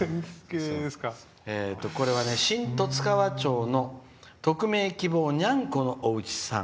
これは新十津川町の匿名希望にゃんこのおうちさん。